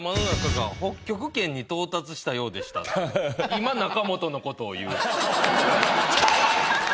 今中本のことを言う。